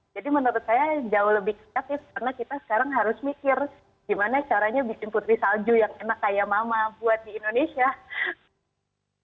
jadi menurut saya jauh lebih kreatif karena kita sekarang harus mikir gimana caranya bikin putri salju yang enak kayak mama buat di indonesia